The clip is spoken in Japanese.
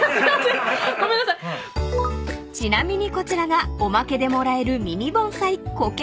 ［ちなみにこちらがおまけでもらえる］